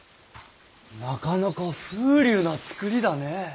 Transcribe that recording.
なかなか風流な造りだねえ。